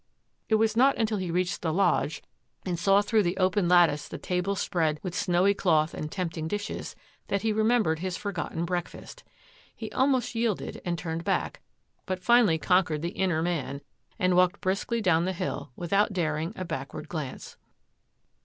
It was not until he reached the lodge and saw through 9f 99 MARY SURPRISES CLAVERING 803 the open lattice the table spread with snowy cloth and tempting dishes that he remembered his for gotten breakfast. He almost yielded and turned back, but finally conquered the inner man and walked briskly down the hill without daring a backward glance.